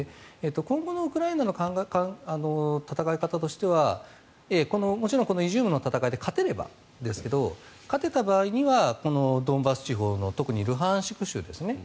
今後のウクライナの戦い方としてはもちろんこのイジュームの戦いで勝てればですが勝てた場合にはこのドンバス地方特にルハンシク州ですね。